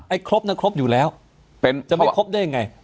ครบน่ะครบอยู่แล้วเป็นจะไม่ครบได้ยังไง